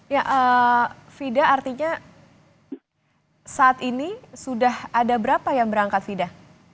ya fida artinya saat ini sudah ada berapa yang berangkat fida